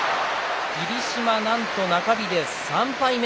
霧島、なんと中日で３敗目。